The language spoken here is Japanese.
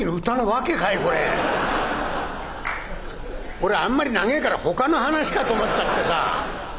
俺あんまり長えからほかの話かと思っちゃってさぁ。